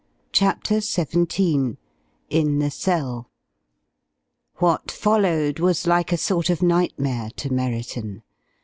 CHAPTER XVII IN THE CELL What followed was like a sort of nightmare to Merriton.